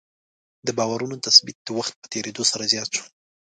د باورونو تثبیت د وخت په تېرېدو سره زیات شو.